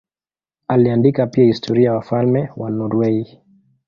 Aliandika pia historia ya wafalme wa Norwei.